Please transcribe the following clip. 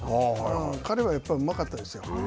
彼はやっぱりうまかったですよ。